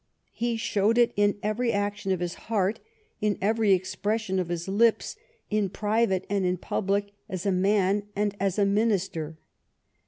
He showed it in every action of his heart, in every expression of his lips, in private and in public, as a man and as a minister.